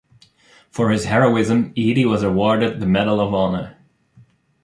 For his heroism Eadie was awarded the Medal of Honor.